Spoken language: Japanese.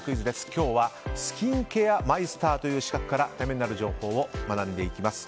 今日はスキンケアマイスターという資格からためになる情報を学んでいきます。